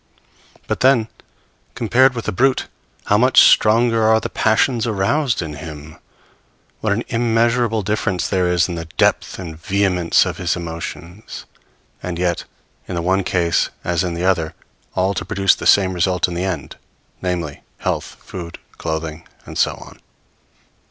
But then compared with the brute, how much stronger are the passions aroused in him! what an immeasurable difference there is in the depth and vehemence of his emotions! and yet, in the one case, as in the other, all to produce the same result in the end: namely, health, food, clothing, and so on.